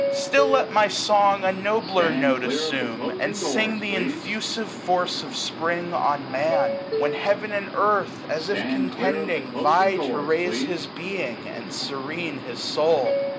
Still l^t my song a nobler note assume. And sing th* infusive force of Spring on Man ; 865 When heaven and earth, as if contending, vie To raise his being, and serene his soul.